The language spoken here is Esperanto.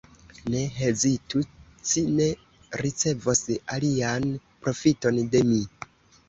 Ne hezitu, ci ne ricevos alian profiton de mi!